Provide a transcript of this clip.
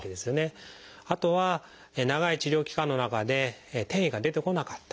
あとは長い治療期間の中で転移が出てこなかった。